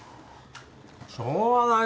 しょうがない